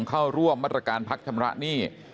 เข้าร่วมมาตรการพักชำระหนี้